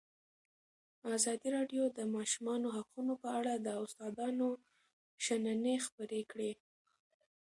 ازادي راډیو د د ماشومانو حقونه په اړه د استادانو شننې خپرې کړي.